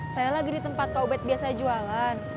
saya lagi di tempat taubat biasa jualan